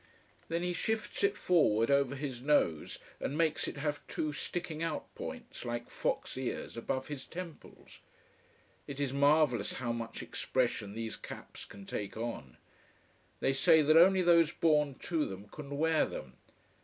Then he shifts it forward over his nose, and makes it have two sticking out points, like fox ears, above his temples. It is marvellous how much expression these caps can take on. They say that only those born to them can wear them.